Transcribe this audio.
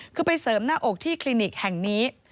คือไปเสริมหน้าอกที่คลินิกแห่งนี้